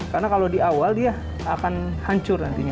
karena kalau di awal dia akan hancur nantinya